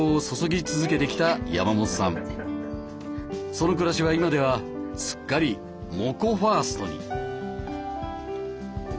その暮らしは今ではすっかりモコファーストに。